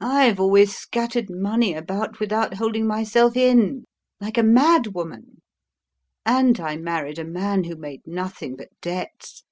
I've always scattered money about without holding myself in, like a madwoman, and I married a man who made nothing but debts.